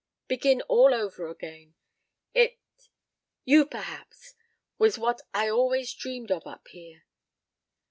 Begin all over again. It you, perhaps! was what I always dreamed of up here.